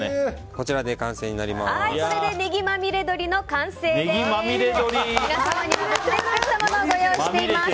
これでネギまみれ鶏の完成です。